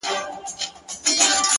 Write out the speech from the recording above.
ستا د غزلونو و شرنګاه ته مخامخ يمه،